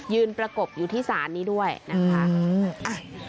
ประกบอยู่ที่ศาลนี้ด้วยนะคะ